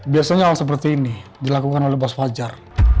biasanya hal seperti ini dilakukan oleh bos fajar